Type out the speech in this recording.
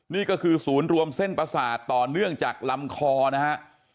นี่ก็คือศูนย์รวมเส้นประสาทต่อเนื่องจากลำคอนะฮะ